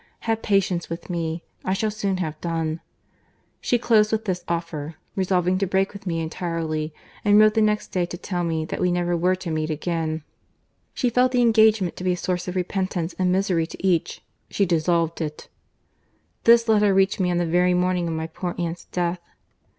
Have patience with me, I shall soon have done.—She closed with this offer, resolving to break with me entirely, and wrote the next day to tell me that we never were to meet again.—She felt the engagement to be a source of repentance and misery to each: she dissolved it.—This letter reached me on the very morning of my poor aunt's death.